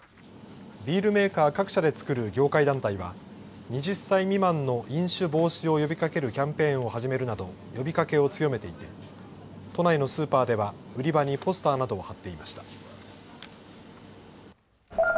ビールメーカー各社で作る業界団体は、２０歳未満の飲酒防止を呼びかけるキャンペーンを始めるなど、呼びかけを強めていて、都内のスーパーでは、売り場にポスターなどを貼っていました。